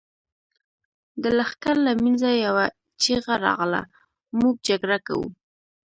د لښکر له مينځه يوه چيغه راغله! موږ جګړه کوو.